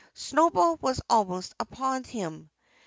Snowball was almost upon him.